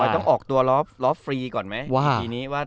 ต้องออกตัวรอฟรีก่อนไหม